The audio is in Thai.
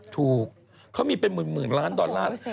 ถูกเขามีเป็นหมื่นล้านดอลลาร์